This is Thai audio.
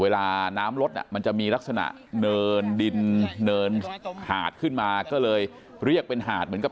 เวลาน้ำลดมันจะมีลักษณะเนินดินเนินหาดขึ้นมาก็เลยเรียกเป็นหาดเหมือนกับ